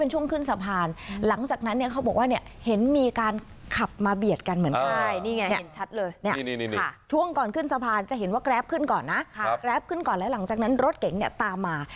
ช่วงก่อนขึ้นสะพานจะเห็นว่าแกรปขึ้นก่อนนะแกรปขึ้นก่อนแล้วหลังจากนั้นรถเก๋งเนี่ยตามมา